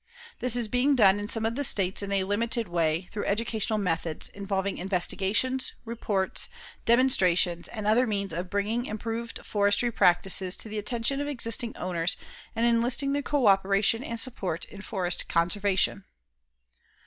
This is being done in some of the states in a limited way, through educational methods, involving investigations, reports, demonstrations, and other means of bringing improved forestry practices to the attention of existing owners and enlisting their coöperation and support in forest conservation.